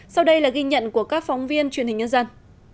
sau đây là ghi nhận của các phóng viên truyền hình nhân dân